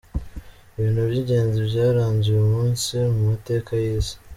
Ibintu by’ingenzi byaranze uyu umnsi mu mateka y’isi:.